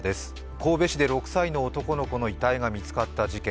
神戸市で６歳の男の子の遺体が見つかった事件。